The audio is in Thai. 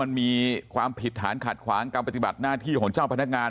มันมีความผิดฐานขัดขวางการปฏิบัติหน้าที่ของเจ้าพนักงาน